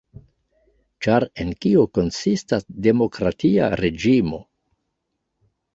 Ĉar en kio konsistas demokratia reĝimo?